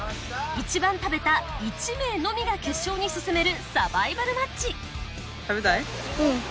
いちばん食べた１名のみが決勝に進めるサバイバルマッチ！